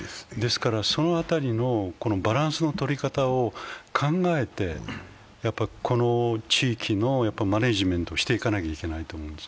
その辺りのバランスの取り方を考えて、この地域のマネージメントをしていかなきゃいけないと思うんです。